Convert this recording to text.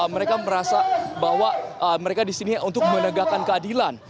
mereka merasa bahwa mereka disini untuk menegakkan keadilan